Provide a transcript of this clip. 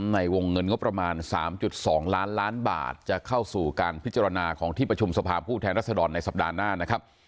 ในวงเงินงบประมาณ๓๒ล้านล้านบาทจะเข้าสู่การพิจารณาของที่ประชุมสภาพผู้แทนรัศดรในสัปดาห์หน้านะครับ